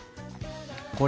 これ